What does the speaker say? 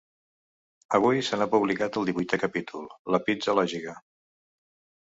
Avui se n’ha publicat el divuitè capítol, La pizza lògica.